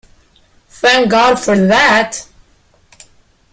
Thank God for that!